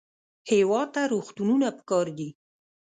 هېواد ته روغتونونه پکار دي